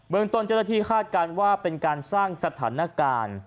ตนเจ้าหน้าที่คาดการณ์ว่าเป็นการสร้างสถานการณ์